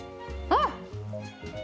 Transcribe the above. あっ！